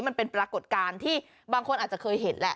มันเป็นปรากฏการณ์ที่บางคนอาจจะเคยเห็นแหละ